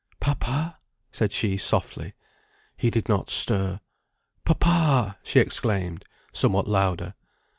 "Papa," said she, softly. He did not stir. "Papa!" she exclaimed, somewhat louder.